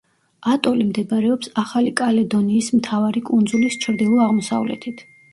ატოლი მდებარეობს ახალი კალედონიის მთავარი კუნძულის ჩრდილო-აღმოსავლეთით.